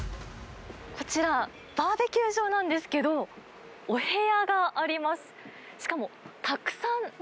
こちら、バーベキュー場なんですけど、お部屋があります。